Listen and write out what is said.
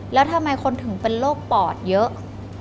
แล้วทำไมคนถึงเป็นโรคปอดเยอะ